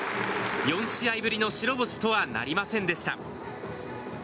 ４試合ぶりの白星とはなりませんでした。